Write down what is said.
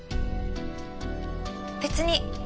別に。